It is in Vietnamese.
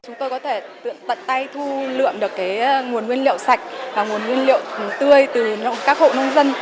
chúng tôi có thể tận tay thu lượm được nguồn nguyên liệu sạch và nguồn nguyên liệu tươi từ các hộ nông dân